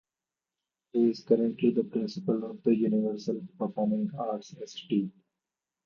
He is currently the principal of the Universal Performing Arts Institute.